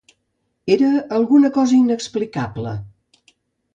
Era alguna cosa inexplicable…